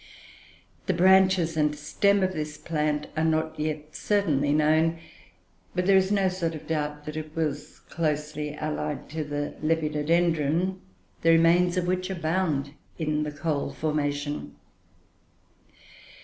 The branches and stem of this plant are not yet certainly known, but there is no sort of doubt that it was closely allied to the Lepidodendron, the remains of which abound in the coal formation.